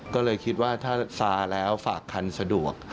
ก็เลยคิดว่าถ้าซาแล้วฝากคันสะดวก